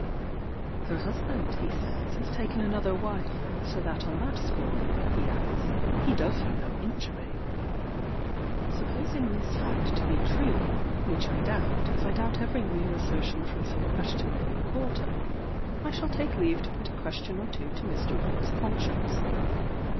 Her husband, he says, has taken another wife; "so that on that score," he adds, "he does her no injury." Supposing this fact be true, (which I doubt, as I doubt every mere assertion from so questionable a quarter,) I shall take leave to put a question or two to Mr. Wood's conscience.